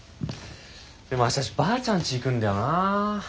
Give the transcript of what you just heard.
でも明日ばあちゃんち行くんだよなぁ。